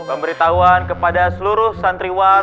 pemberitahuan kepada seluruh santriwan